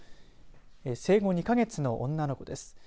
生後２か月の女の子です。